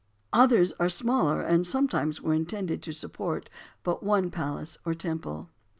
Others are smaller, and sometimes were intended to support but one palace or temple.